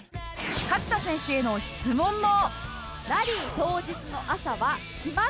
勝田選手への質問も